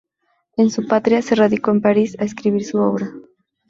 En su patria, se radicó en París a escribir su obra.